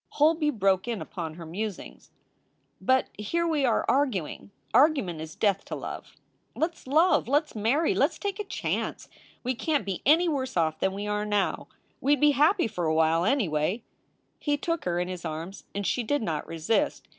Holby broke in upon her musings: "But here we are arguing. Argument is death to love. Let s love! Let s marry! Let s take a chance! We can t be any worse off than we are now. We d be happy for a while , anyway. He took her in his arms, and she did not resist.